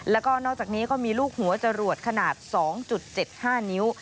แล้วก็นอกจากนี้ก็มีลูกหัวจรวดขนาด๒๗๕นิ้ว